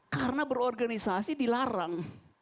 karena berorganisasi dilarang